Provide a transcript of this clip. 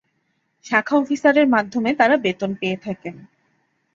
শাখা অফিসারের মাধ্যমে তারা বেতন পেয়ে থাকেন।